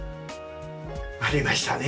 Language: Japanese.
ありましたね